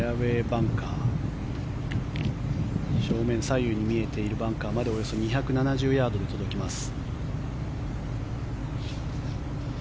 バンカー正面左右に見えているバンカーまでおよそ２７０ヤードで届きます。